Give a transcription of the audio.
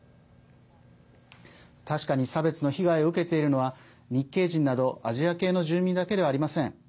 確かに差別の被害を受けているのは日系人などアジア系の住民だけではありません。